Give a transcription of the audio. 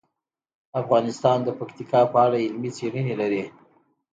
افغانستان د پکتیکا په اړه علمي څېړنې لري.